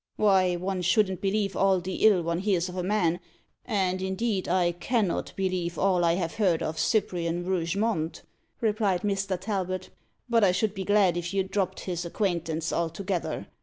"Why, one shouldn't believe all the ill one hears of a man; and, indeed, I cannot believe all I have heard of Cyprian Rougemont," replied Mr. Talbot; "but I should be glad if you dropped his acquaintance altogether.